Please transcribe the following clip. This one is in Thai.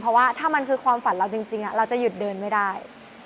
เพราะว่าถ้ามันคือความฝันเราจริงเราจะหยุดเดินไม่ได้